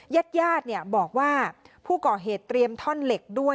เย็ดบอกว่าผู้ก่อเหตุเตรียมท่อนเหล็กด้วย